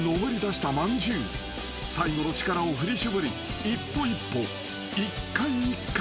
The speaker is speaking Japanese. ［最後の力を振り絞り一歩一歩一階一階